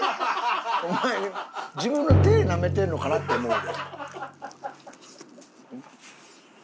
お前自分の手なめてるのかな？って思うで。